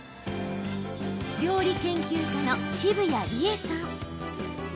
料理研究家の澁谷梨絵さん。